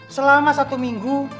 selama satu minggu